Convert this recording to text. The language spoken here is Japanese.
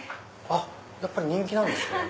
やっぱり人気なんですね。